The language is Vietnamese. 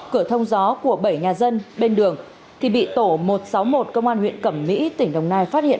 cửa thông gió của bảy nhà dân bên đường thì bị tổ một trăm sáu mươi một công an huyện cẩm mỹ tỉnh đồng nai phát hiện